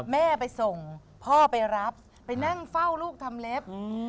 แม่ไปส่งพ่อไปรับไปนั่งเฝ้าลูกทำเล็บ